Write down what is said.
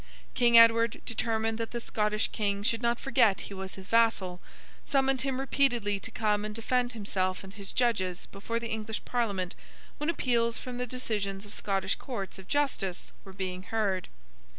King Edward, determined that the Scottish King should not forget he was his vassal, summoned him repeatedly to come and defend himself and his judges before the English Parliament when appeals from the decisions of Scottish courts of justice were being heard.